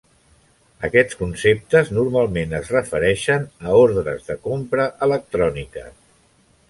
Aquests conceptes normalment es refereixen a "ordres de compra electròniques".